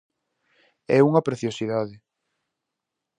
É unha preciosidade.